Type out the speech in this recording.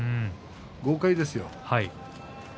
豪快ですよ。